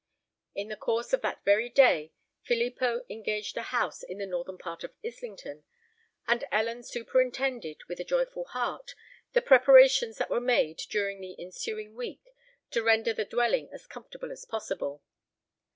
In the course of that very day Filippo engaged a house in the northern part of Islington; and Ellen superintended, with a joyful heart, the preparations that were made during the ensuing week to render the dwelling as comfortable as possible.